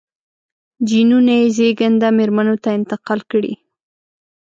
جینونه یې زېږنده مېرمنو ته انتقال کړي.